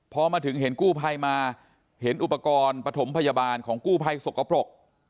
พอมาถึงเห็นกู้ภัยมาเห็นอุปกรณ์ปฐมพยาบาลของกู้ภัยสกปรก